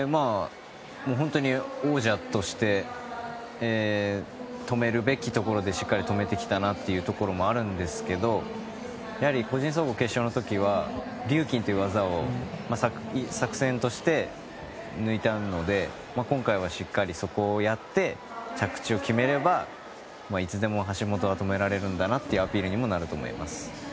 本当に王者として止めるべきところでしっかり止めてきたなというのはあるんですけどもやはり個人総合決勝の時はリューキンという技を作戦として抜いたので今回はしっかり、そこをやって着地を決めればいつでも橋本は止められるんだなというアピールにもなると思います。